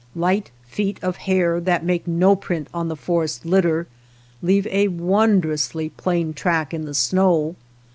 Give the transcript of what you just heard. Light feet of hare that make no print on the forest litter leave a wondrously plain track in the snow.